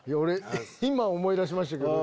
今思い出しましたけど。